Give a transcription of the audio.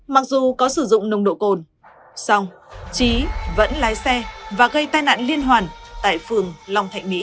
mặc dù có sử dụng nồng độ cồn song trí vẫn lái xe và gây tai nạn liên hoàn tại phường long thạnh mỹ